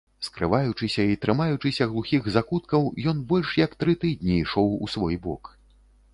Скрываючыся і трымаючыся глухіх закуткаў, ён больш як тры тыдні ішоў у свой бок.